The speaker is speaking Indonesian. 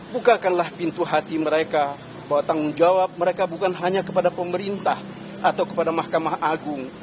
bukakanlah pintu hati mereka bahwa tanggung jawab mereka bukan hanya kepada pemerintah atau kepada mahkamah agung